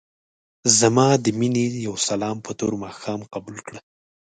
ځما دې مينې يو سلام په تور ماښام قبول کړه.